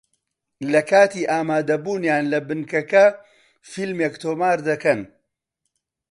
لە کاتی ئامادەبوونیان لە بنکەکە فیلمێک تۆمار دەکەن